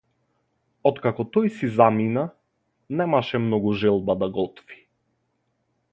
Откако тој си замина, немаше многу желба да готви.